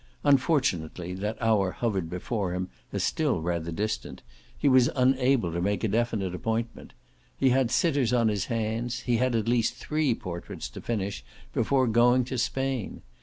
Unfortunately that hour hovered before him as still rather distant he was unable to make a definite appointment. He had sitters on his hands, he had at least three portraits to finish before going to Spain.